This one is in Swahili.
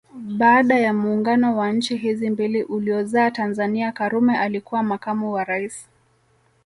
Baada ya muungano wa nchi hizi mbili uliozaa Tanzania Karume alikuwa makamu wa rais